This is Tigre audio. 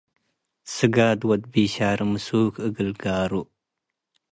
ስጋደ ወድ ብሻሪ ምሱክ እግል ጋሩ